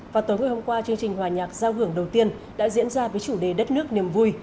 và tối ngày hôm qua chương trình hòa nhạc giao hưởng đầu tiên đã diễn ra với chủ đề đất nước niềm vui